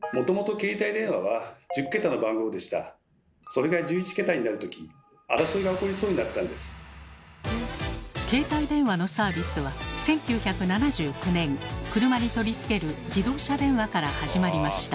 携帯電話のサービスは１９７９年車に取り付ける「自動車電話」から始まりました。